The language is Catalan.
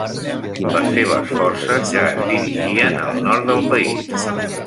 Les seves forces ja es dirigien al nord del país.